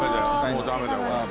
もうダメだよこれ。